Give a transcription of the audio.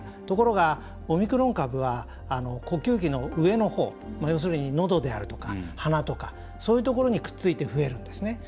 ところが、オミクロン株は呼吸器の上のほう要するに、のどであるとか鼻とかそういうところにくっついて増えるんですね。